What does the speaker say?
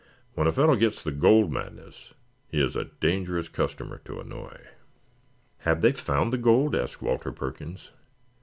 When a fellow gets the gold madness he is a dangerous customer to annoy." "Have they found the gold?" asked Walter Perkins.